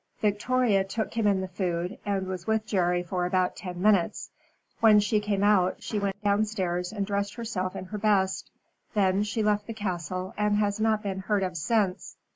Victoria took him in the food, and was with Jerry for about ten minutes. When she came out she went downstairs and dressed herself in her best. Then she left the castle, and has not been heard of since.